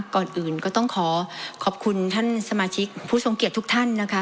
ก่อนอื่นก็ต้องขอขอบคุณท่านสมาชิกผู้ทรงเกียจทุกท่านนะคะ